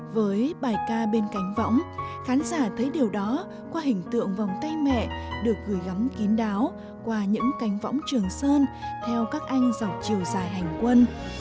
với bài ca bên cánh võng khán giả thấy điều đó qua hình tượng vòng tay mẹ được gửi gắm kín đáo qua những cánh võng trường sơn theo các anh dọc chiều dài hành quân